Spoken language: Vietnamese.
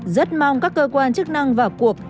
rất mong các cơ quan chức năng vào cuộc